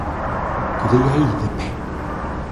Quedei aí de pé.